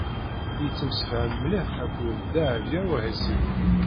Yettemsefham mliḥ akked Dehbiya u Ɛisiw.